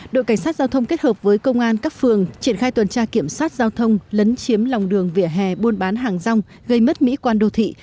đội cảnh sát giao thông kết hợp với công an các phường triển khai tuần tra kiểm soát giao thông lấn chiếm lòng đường vỉa hè buôn bán hàng rong gây mất mỹ quan đô thị